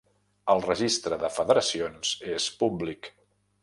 El Registre de federacions és públic.